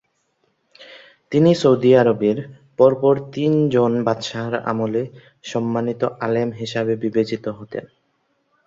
তিনি সৌদি আরবের পর পর তিন জন বাদশাহর আমলে সম্মানিত আলেম হিসেবে বিবেচিত হতেন।